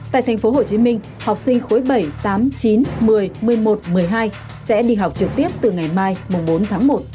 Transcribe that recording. tại tp hcm học sinh khối bảy tám mươi chín một mươi một mươi một một mươi hai sẽ đi học trực tiếp từ ngày mai bốn tháng một